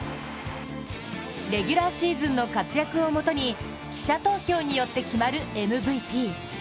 レギュラーシーズンの活躍をもとに記者投票によって決まるＭＶＰ。